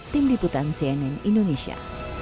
tim liputan cnn indonesia